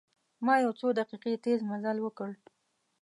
ما یو څو دقیقې تیز مزل وکړ.